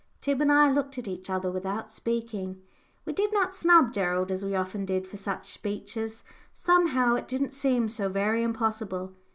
Tib and I looked at each other without speaking. We did not snub Gerald as we often did for such speeches somehow it didn't seem so very impossible!